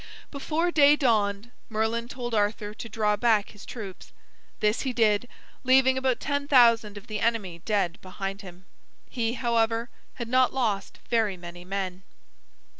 Before day dawned, Merlin told Arthur to draw back his troops. This he did, leaving about ten thousand of the enemy dead behind him. He, however, had not lost very many men.